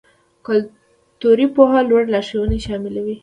کلتوري پوهه لوړ لارښوونې شاملوي.